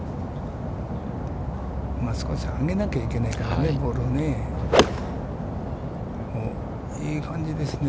少し上げなきゃいけないからね、ボールをね。